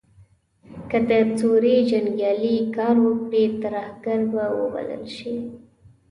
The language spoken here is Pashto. که د سوریې جنګیالې کار وکړي ترهګر به وبلل شي.